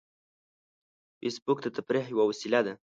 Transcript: فېسبوک د تفریح یوه وسیله ده